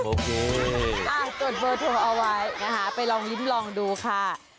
โอ้โหจดเบอร์โทรเอาไว้นะคะไปลองลิ้มลองดูค่ะ